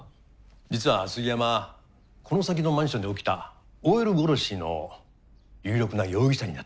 実は杉山この先のマンションで起きたＯＬ殺しの有力な容疑者になってまして。